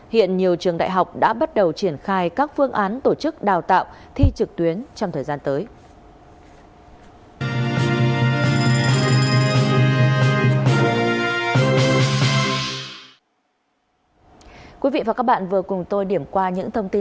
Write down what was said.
hiện nhiều trường đại học đã bắt đầu triển khai các phương án tổ chức đào tạo thi trực tuyến trong thời gian tới